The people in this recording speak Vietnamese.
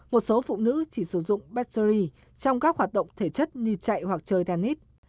một số phụ nữ chỉ sử dụng battery trong các hoạt động thể chất như chạy hoặc chơi tennis